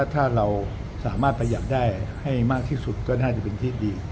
ถ้าเราสามารถประหยัดได้ให้มากที่สุดก็น่าจะเป็นที่ดี